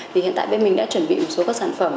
thì hiện tại bên mình đã chuẩn bị một số các sản phẩm